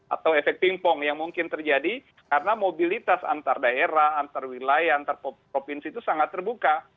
atau efek pingpong yang mungkin terjadi karena mobilitas antar daerah antar wilayah antar provinsi itu sangat terbuka